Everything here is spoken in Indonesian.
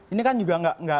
ini kan juga